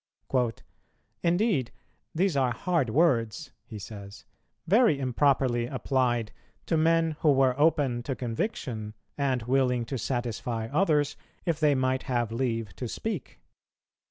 "Indeed, these are hard words," he says, "very improperly applied to men who were open to conviction, and willing to satisfy others, if they might have leave to speak."